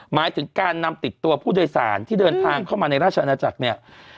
หมายถึงการนำติดตัวผู้โดยสารที่เดินทางเข้ามาในราชอาณาจักรเนี่ย